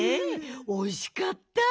おいしかった。